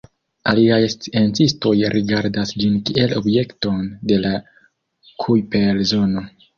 Aliaj sciencistoj rigardas ĝin kiel objekton de la Kujper-zono.